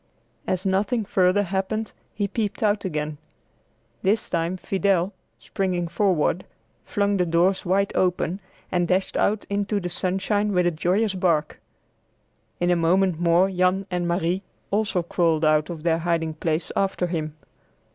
As nothing further happened, he peeped out again. This time Fidel, springing forward, flung the doors wide open, and dashed out into the sunshine with a joyous bark. In a moment more Jan and Marie also crawled out of their hiding place after him.